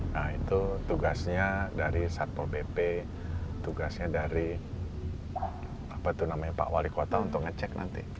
nah itu tugasnya dari satpol bp tugasnya dari apa tuh namanya pak wali kota untuk ngecek nanti